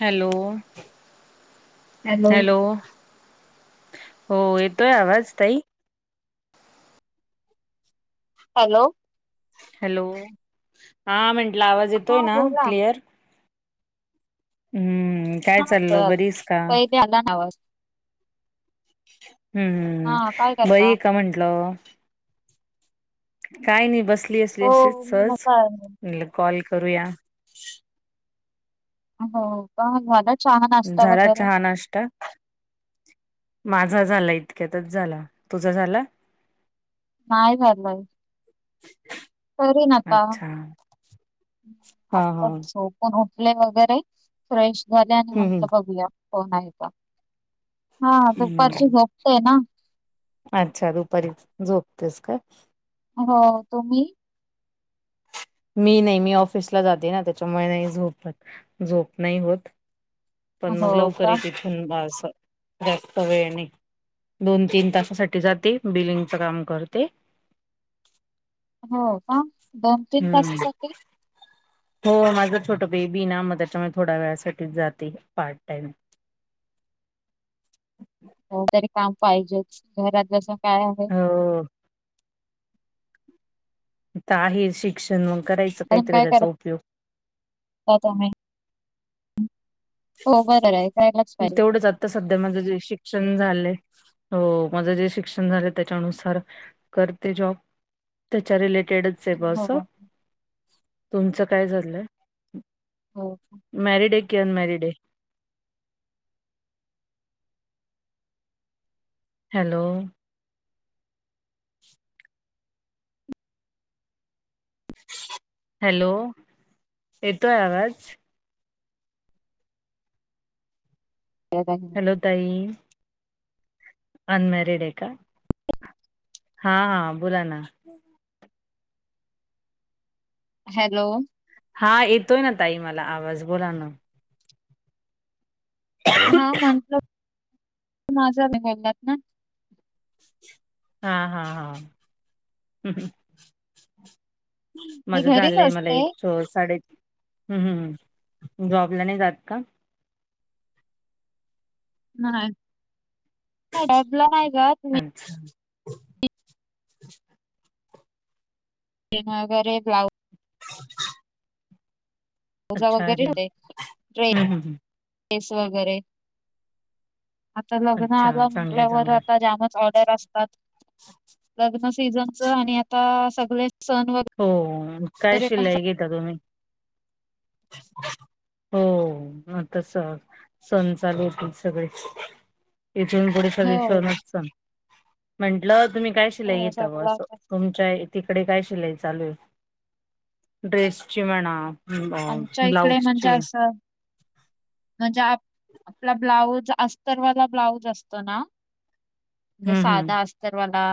Hello hello हो येतोय आवाज ताई? हॅलो हॅलो, हा म्हंटल आवाज येतोय हा ना बोला क्लिअर? हम्म काय हा चालल, बरी येस का? पहिले आला ना आवाज हम्म, हा काय बरी करता? ये का म्हंटल? काय नाही बसली असली, हो अशीच मी सहज मस्त आहे. म्हणल कॉल करूया. हो का झाल चहा, नाश्ता वगैरे? नाष्टा माझा झाल इतक्यातच झाल, तुझ झाल? नाही झालय [inaudible] करीन ना आता अच्छा हा हा [unintelligible] झोप उठले वगैरे फ्रेश झाले आणि हम्म म्हटलं बघूया फोन आहे का? हा हम्म दुपारची हम्म झोपतयना. अच्छा दुपारी झोपतेस का! हो तुम्ही? मी नाही मी ऑफिसला जाते ना. त्याच्यामुळे नाही झोपत झोप नाही होत. पण हो मग लवकर का तिथून अस जास्त वेळ नाही. दोन तीन तासासाठी जाते बिलिंगच काम करते हो का दोन तीन हम्म तासासाठी हो माझं छोटं बेबी ना मग त्याच्यामुळे थोड्या वेळासाठीच जाते पार्ट टाइम. हो तरी काम पाहिजेच घरात बसुन जस काय आहे? ह ता आहे शिक्षण मग करायचं अजून काहीतरी काय त्याचा करता उपयोग. [unintelligible] हो बरं आहे कयलाच पाहिजे. तेवढंच आता सध्या माझं जे शिक्षण झालंये हो माझं जे शिक्षण झाले त्याच्यानुसार करते जॉब. त्याच्या रिलेटेडच आहे. ब हो, असं तुमचं काय झालंय? हो मॅरिड आहे की अनमॅरिड आहे? हॅलो [inaudible] हॅलो येतोय आवाज? [unintelligible] हॅलो ताई. अनमॅरीड ये का? हा हा बोला ना. हॅलो. हा येतोय ना ताई मला आवाज बोलाणं. हा म्हंटलं. [unintelligible] हा हा हा, हम. मी माझं घरीच झालंय मला असते. एक स साडे, हम् ह् जॉबला नाही जात का? नाही [unintelligible] [inaudible] [unintelligible] [inaudible] जाऊ अच्छा अरे हम्म हम्म हम्म वगैरेेेस [unintelligible] आता लग्न अच्छा आलं चांगलंय म्हटल्यावर चांगलंय आता जामच ऑर्डर असतात लग्न सीझन. जन आता सग [unintelligible] हो शिलाई घेता तुम्ही? हो आतास सण चालू होतील सगळेच. इथून पुढे सगळे सणच हो, असतात. म्हंटलं तुम्ही काय शिलाई हो घताव, सगळं अस आता. तुमच्या तिकडे काय शिलाई? चालू से ड्रेसची म्हणा? अ आमच्या इकडे म्हणजे ब्लाऊजची असं म्हणजे आप आपला ब्लाऊज अस्तरवाला ब्लाऊज असतो ना, म्हणजे हम्म हम्म साधा असत तर मला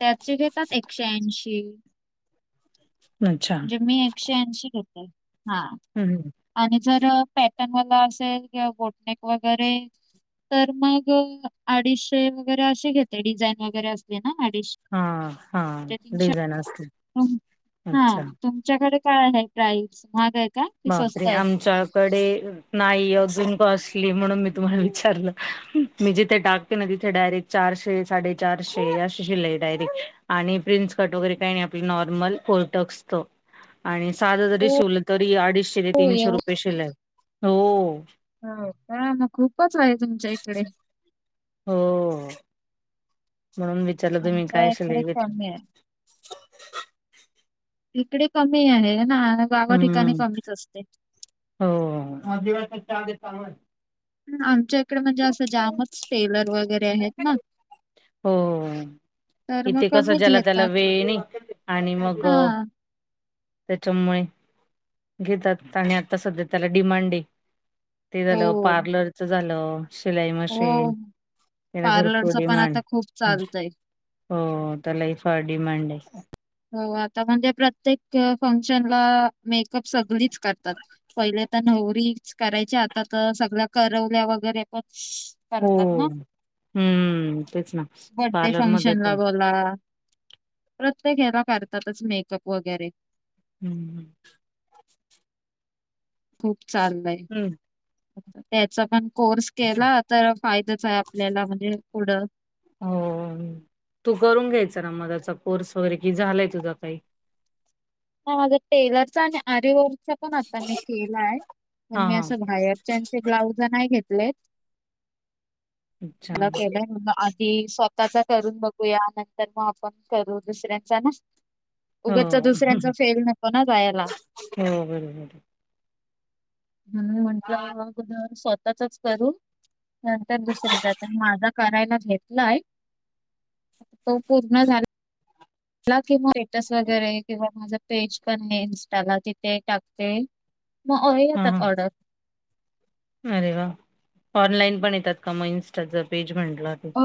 त्याचे घेतात, एकशे ऐंशी. अच्छा. म्हणजे मी एकशे ऐंशी घेते हा. हम-हम. आणि जर पॅटर्नवाला असेल किंवा बोटनेक वगैरे तर मग अडीचशे वगैरे असे घेते. डिझाईन वगैरे असले ना, अडीशे. हां, हां. ते तीनशे डिझाईन असते. रुपये हा अच्छा. तुमच्याकडे. काय आहे प्राईस महाग का? की बापरे! स्वस्त आहे आमच्यातं. कडे नाही, अजून कॉस्टली म्हणून मी तुम्हाला विचारलं. मी जिथे टाकते ना, तिथे डायरेक्ट चारशे-साडेचारशे रुपये अशी शिलाई डायरेक्ट. आणि प्रिंस कट वगैरे काही-नाही आपलं नॉर्मल फोर्टक्सतो. आणि साधं जरी शिवलं तरी अडीचशे ते हो तीनशे एवढं रुपये शिलाई हो. हो का? मग खूपच आहे तुमच्या इकडे. हम्म. म्हणून विचारलं, तुम्ही आमच्या कायं इकडे शिलाई घेता? कमी आहे इकडे कमी आहे ना, गाव ठिकाणी हं. कमीच असते. हो, आदिवासा आल आहे. आमच्या इकडे म्हणजे असं जामच टेलर वगैरे आहेत ना. हो, तर मग इथे कसं, कमीच ज्याला-त्याला घेतात. वेळ नाही आणि मग अ हां. त्याच्यामुळे. घेतात आणि आता सध्या त्याला डिमांड आहे. ते हो, झालं पार्लरच झालं, शिलाई मशीन हो. त्याला भरपूर पार्लरचं पण डिमांड. आता खूप चालतंय. हो, त्यालाही फार डिमांड आहे. हो, आता म्हणजे प्रत्येक फंक्शनला मेकअप सगळीच करतात. पहिले तर नवरीच करायची आता तर सगळ्या करवल्या वगैरे पण हो करतात ना, हम्म तेच ना बडडे पार्लरमध्ये फंक्शनला पण बोला. ते घ्याला करतातच मेकअप वगैरे. हम्. [unintelligible] खूप चाललय. हम्म. त्याचा पण कोर्स केला तर फायदाच आहे. आपल्याला, म्हणजे पुढं. हो. तू करून घ्यायचा ना मदचा कोर्स वगैरे कि झालाय तुझा काही? ह, माझा टेलरचा आणि आरी वर्कचा पण आता मी केलाय, पण हा मी हा असं बाहेरऽ. त्यांचं ब्लाऊज नाही घेतले, अच्छा पण केले. की स्वतःचा करून बघूया, नंतर मग आपण करू दुसऱ्यांचा ना. हो उगच दुसऱ्यांचा फेल नको ना जायला. हो बरोबर म्हणून हा म्हटलं, स्वतःच करू. नंतर दुसर जातं माझा करायला घेतलाय, तो पूर्ण झाला झाला की मग टेटस वगैरे, किंवा माझं पेज पण आहे इंस्टाला, तिथे टाकते. [unintelligible] मग येतात हा ऑर्डर. अरे वा! ऑनलाईन पण येतात का मग इन्स्टाचं पेज म्हटलं की? हो,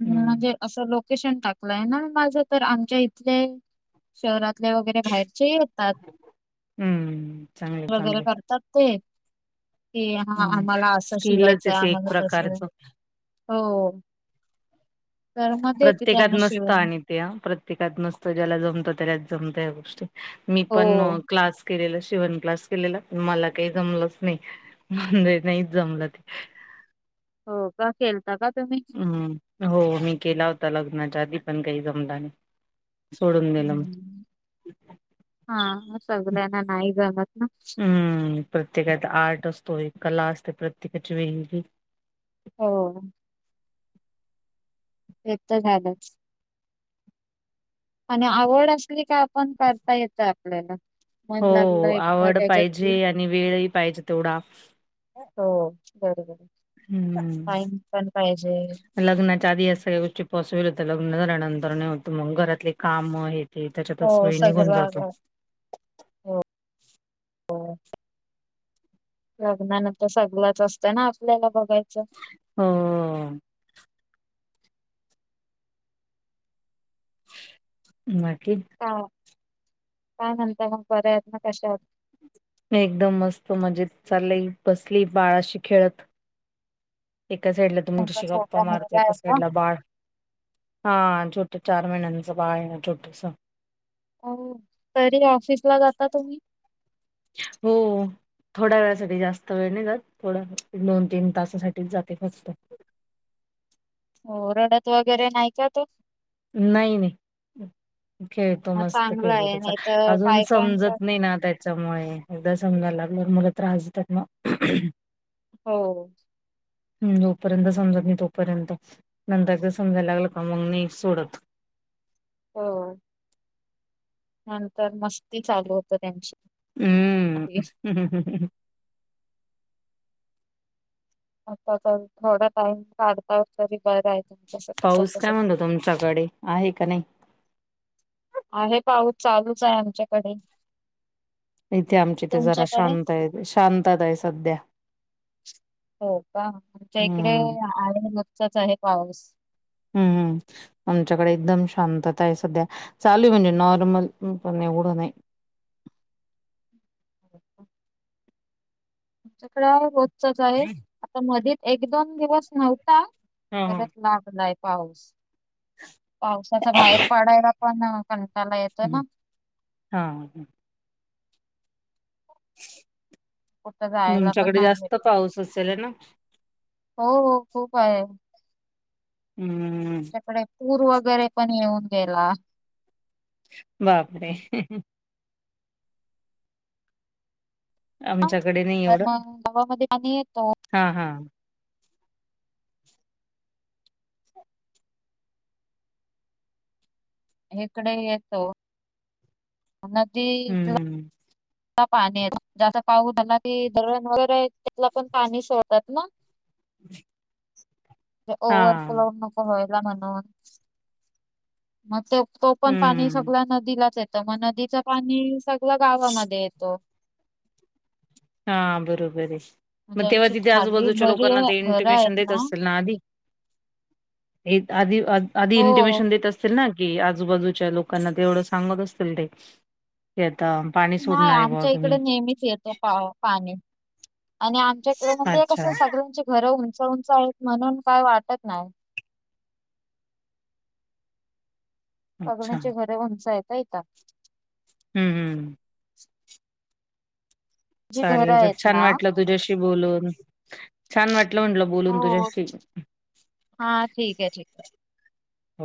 म्हणजे असं लोकेशन टाकलंय ना, माझं तर आमच्या इथले. शहरातले वगेरे बाहेरचे येतात, हम्म चांगले वगैरे चांगले करतात. ते की हा हम्म आम्हाला असं स्किलच आहे शिवायचाय, ते एक आम्हाला तसं प्रकारचं. हो, तर म देते त्यांना शिवून. त्या प्रत्येकात नसत, ज्याला जमत त्यालाच जमतात या गोष्टी. मी हो पण क्लास केलेला शिवण क्लास केलेला, पन मला काही जमलंच नाही, म्हणजे नाहीच जमलं ते. हो का? केलता का तुम्ही? हूम्म, हो मी केला होता लग्नाच्या आधी, पण काही जमला नाही. सोडून दिलं मग हा, सगळ्यांना नाही जमत ना. हम्म प्रत्येकात आर्ट असतो. कला असते प्रत्येकाची वेगळी. हो. ते तर झालंच. आणि आवड असली का, आपण करता येतय आपल्याला. हो मन लागलं एकदा आवड त्याच्यात की पाहिजे आणि वेळही पाहिजे तेवढा. हो बरोबर, हम्म टाईम पण पाहिजे. लग्नाच्या आधी या सगळ्या गोष्टी पॉसिबल होतात. लग्न झाल्यानंतर नाही होत, मग घरातले कामं हे हे हो त्याच्यातच वेळ निघून सगळं जातो. हो लग्ना नंतर सगळच असतं ना, आपल्याला बघायचं. हो. बाकी? काय, काय म्हनताय मग बऱ्या हात ना? कश्या आहात? एकदम मस्त मजेत चाललंय. बसली ये बाळाशी खेळत. एका साईडला तुमचा तुमच्याशी गप्पा छोटा मारतेय, मुलगा आहे एका का साइडला बाळ हां छोठं, चार महिन्याच बाळ आहे छोटसं. अ तरी ऑफिस ला जाता तुम्ही? हो. थोड्या वेळासाठी, जास्त वेळ नाही जात. थोडा दोन तीन तासासाठीच जाते फक्त. हो, रडत वगैरे नाही का तो? नाही नाही. खेळतो मग मस्त चांगला खेळतो आहे त्याचा. नाही तर अजून काय कायच समजत नाही ना त्या च्यामुळे, एकदा समजायला लागल्यावर मुल त्रास देतात ना. हो. हू जोपर्यंत समजत नाही, तोपर्यंत नंतर ते समजायला लागलं का मग नाही सोडत हो. त्यानंतर मस्ती चालू होत त्यांची. हुं. [inaudible] आता तर, थोडा टाइम काढताय तरी बरय. पाऊस काय म्हणतो तुमच्याकडे आहे का नाही? आहे पाऊस, चालूच आहे आमच्याकडे. इथे आमची इथं, ते जरा तुमच्याकडे शांत आहे. शांतता आहे सध्या. हो का? आमच्या इकडे हम्म आहे, रोजचाच आहे पाऊस. हू हू. आमच्याकडे एकदम शांतता आहे सध्या, चालू आहे म्हणजे नॉर्मल पण एवढं नाही. आमच्याकडे रोचच आहे आता मध्ये एक दोन दिवस नव्हता. हा हा तर- लागलाय पाऊस पावसाचा बाहेर पडायला पण, कंटाला येतो ना. हम्म. हा कुठं जायला पण तुमच्याकडे नाही भेट जास्त पाऊस असेल ना? हो हो खूप आहे. हम्म्म त्यांच्याकडे पूर वगैरे पण येऊन गेला. बापरे! आमच्याकडे नाही तर एवढं मग गावामध्ये पाणी येतो हा हा. इकडे येतो, नदी च [inaudible] पाणी आहे जादा पाऊना त धरन वगैरे आहे त्यातला पण पाणी सोडतात ना, छछ [inaudible] म्हे ओव्हरफ्लोड नको व्हायला म्हणून, मग ते तो पण पाणी हम्म. सगळ नदीलाच येतं मग नदीच पाणी स- क गावामध्ये येतो. हा बरोबर आहे, मग तेव्हा ज्यांची तिथे खाली आजूबाजूच्या घरी लोकांना ते घरं आहेत इंटिमेशन देत असतीलल ना आधी. आधी हो. इंटिमेशन असतील ना. की आजूबाजूच्या लोकांना ते एवढं सांगत असतील ते की आता, पाणी नाही सोडणार आहे बुवा आमच्या इकडे तुम्ही. नेहमीच येत. पाणी आणि आमच्याकडे अच्छा, म्हणजें सगळ्या- घरं उंच उंच आहेत म्हणून काय वाटत नाही. अच्छा. बगण्याची घरे उंच हातय ना इथं. हम् हम्म जी घरं चालेल आहेत छान ना वाटलं तुझ्याशी बोलून, छान वाटलं म्हटलं, बोलून हो तुझ्याशी. हा ठीक आहे ठीक. हो.